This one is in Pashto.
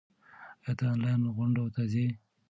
ایا ته آنلاین غونډو ته ځې؟